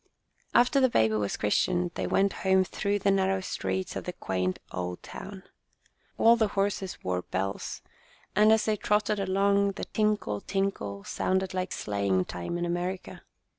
After the baby was christened, they went home through the narrow streets of the quaint old town. All the horses wore bells, and, as they trotted along, the tinkle, tinkle sounded 6 Our Little Spanish Cousin like sleighing time in America.